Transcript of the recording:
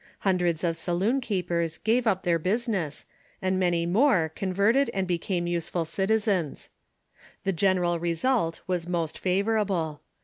Hun dreds of saloon keepers gave up their business, and many were converted and became useful citizens. The general result was most favorable.